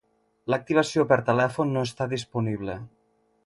L'activació per telèfon no està disponible.